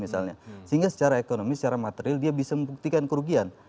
sehingga secara ekonomi secara material dia bisa membuktikan kerugian